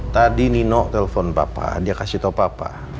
tadi nino telfon papa dia kasih tau papa